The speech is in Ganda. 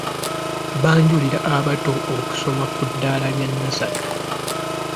Banjulira abato okusoma ku ddaala lya nnasale.